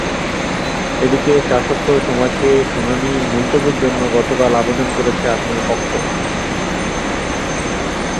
এদিকে চার সপ্তাহ সময় চেয়ে শুনানি মুলতবির জন্য গতকাল আবেদন করেছে আসামিপক্ষ।